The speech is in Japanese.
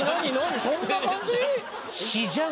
そんな感じ？